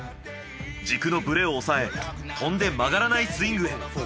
軸のブレを抑え飛んで曲がらないスイングへ。